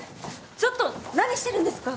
ちょっと何してるんですか！？